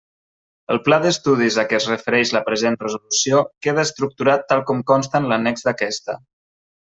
El pla d'estudis a què es refereix la present resolució queda estructurat tal com consta en l'annex d'aquesta.